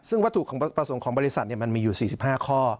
ซึ่งวัตถุประสงค์ของบริษัทมันมีอยู่๔๕ข้อ